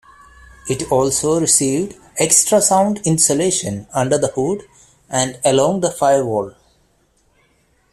It also received extra sound insulation under the hood and along the firewall.